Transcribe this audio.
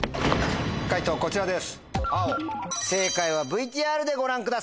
解答こちらです。